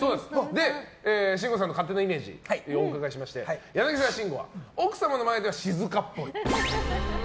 慎吾さんの勝手なイメージをお伺いしまして、柳沢慎吾は奥様の前では静かっぽいと。